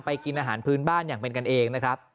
กินอาหารพื้นบ้านอย่างเป็นกันเองนะครับ